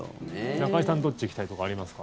中居さん、どっち行きたいとかありますか？